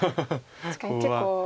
確かに結構。